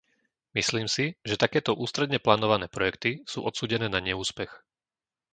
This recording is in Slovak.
Myslím si, že takéto ústredne plánované projekty sú odsúdené na neúspech.